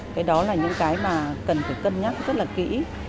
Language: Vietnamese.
cái đó là những cái mà cần phải cân nhắc rất là kỹ